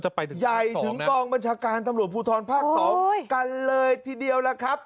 ไปถึงใหญ่ถึงกองบัญชาการตำรวจภูทรภาค๒กันเลยทีเดียวล่ะครับ